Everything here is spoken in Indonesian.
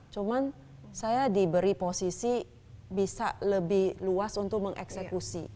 cuman saya diberi posisi bisa lebih luas untuk mengeksekusi